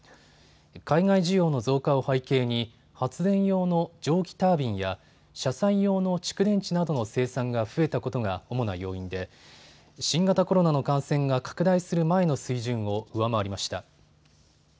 海外需要の増加を背景に発電用の蒸気タービンや車載用の蓄電池などの生産が増えたことが主な要因で新型コロナの感染が拡大する前の水準を上回りました。